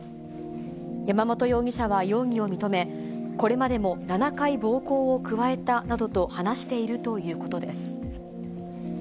山本容疑者は容疑を認め、これまでも７回暴行を加えたなどと話しているということです。